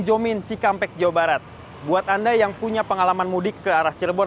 saya berada di simpang jomin cikampek jawa barat buat anda yang punya pengalaman mudik ke arah cirebon